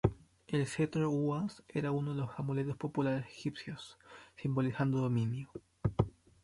El cetro uas era uno de los amuletos populares egipcios, simbolizando dominio.